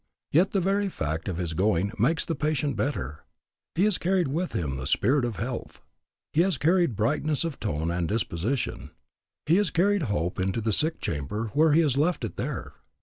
Yet the very fact of his going makes the patient better. He has carried with him the spirit of health; he has carried brightness of tone and disposition; he has carried hope into the sick chamber; he has left it there.